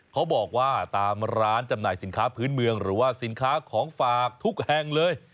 เขาบอกว่าตามร้านจำหน่ายสินค้าพื้นเมืองหรือว่าสินค้าของฝากทุกแห่งเลย